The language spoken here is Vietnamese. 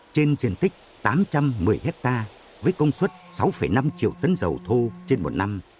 trên diện tích tám trăm một mươi hectare với công suất sáu năm triệu tấn dầu thô trên một năm